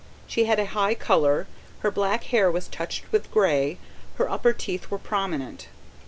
She had a high colour, her black hair was touched with grey, her upper teeth were prominent.